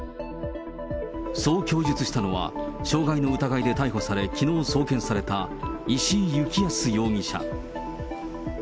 そう供述したのは、傷害の疑いで逮捕され、きのう送検された石井幸康容疑者。